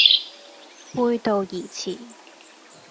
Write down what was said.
背道而馳